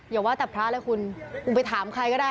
อย่าว่าแต่พระเลยคุณคุณไปถามใครก็ได้